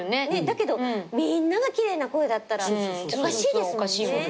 だけどみんなが奇麗な声だったらおかしいですもんね。